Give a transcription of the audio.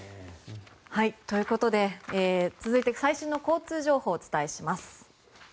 ということで、続いて最新の交通情報をお伝えします。